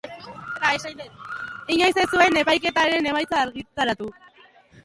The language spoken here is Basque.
Inoiz ez zuen epaiketaren emaitza argitaratu.